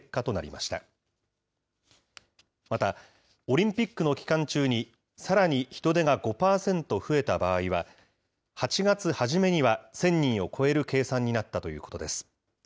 また、オリンピックの期間中にさらに人出が５％増えた場合は、８月初めには１０００人を超える計算になったということです。